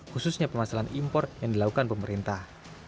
khususnya permasalahan impor yang dilakukan pemerintah